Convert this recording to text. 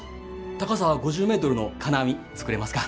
高さ５０メートルの金網作れますか？